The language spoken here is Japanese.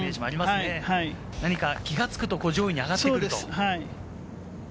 何か気が付くと、上位に上がってくる。